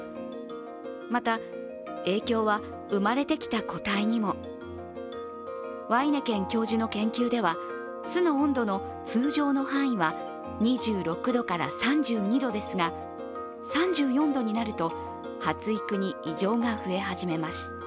また、影響は産まれてきた個体にもワイネケン教授の研究では巣の温度の通常の範囲は２６度から３２度ですが、３４度になると発育に異常が増え始めます。